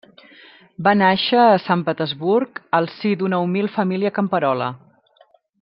Va nàixer a Sant Petersburg al si d'una humil família camperola.